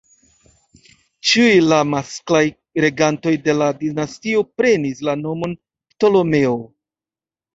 Ĉiuj la masklaj regantoj de la dinastio prenis la nomon Ptolemeo.